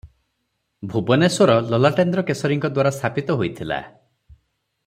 ଭୁବନେଶ୍ୱର ଲଲାଟେନ୍ଦ୍ରକେଶରୀଙ୍କଦ୍ୱାରା ସ୍ଥାପିତ ହୋଇଥିଲା ।